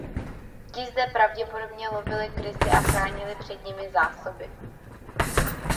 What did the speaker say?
Ti zde pravděpodobně lovili krysy a chránili před nimi zásoby.